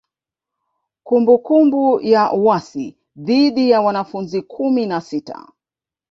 Kumbukumbu ya uasi dhidi ya wanafunzi kumi na sita